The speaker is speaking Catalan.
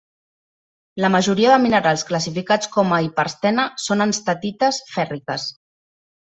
La majoria de minerals classificats com a hiperstena són enstatites fèrriques.